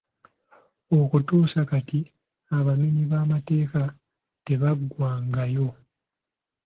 Okutuusa kati abamenyi b’amateeka tebaggwangayo.